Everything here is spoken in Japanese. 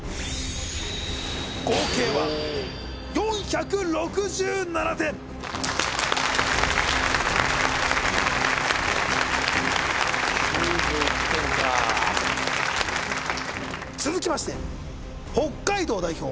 合計は４６７点９１点か続きまして北海道代表